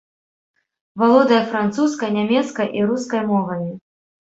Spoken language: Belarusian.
Валодае французскай, нямецкай і рускай мовамі.